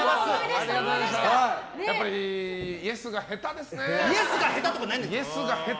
やっぱりイエス！が下手ですね。